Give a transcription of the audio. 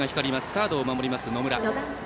サードを守ります、野村。